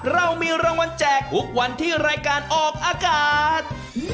เรามีรางวัลแจกทุกวันที่รายการออกอากาศ